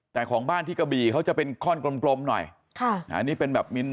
แต่ของบ้านที่กระบี่เขาจะเป็นข้้นกลมหน่อย